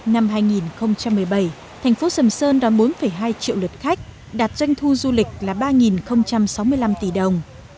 năm hai nghìn một mươi bảy thành phố sầm sơn đón bốn hai triệu lượt khách đạt doanh thu du lịch là ba sáu mươi năm tỷ đồng